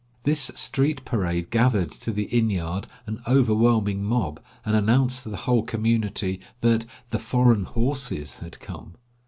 This street parade gathered to the inn yard an overwhelming mob, and announced to the whole community that "the foreign horses" had come.